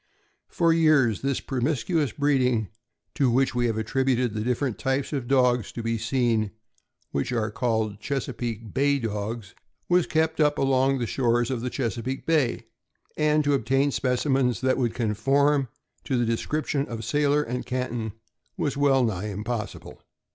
361 For years this promiscuous breeding — to which we have attributed the different types of dogs to be seen which are called Chesapeake Bay Dogs — was kept up along the shores of the Chesapeake Bay, and to obtain specimens that would conform to the description of Sailor and Canton was well nigh impossible.